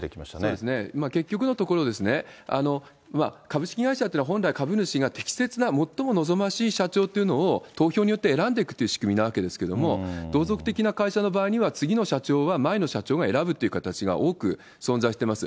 そうですね、結局のところですね、株式会社というのは、本来、株主が適切な、最も望ましい社長というのを投票によって選んでいくという仕組みなわけですけれども、同族的な会社の場合は次の社長は前の社長が選ぶという形が多く存在しています。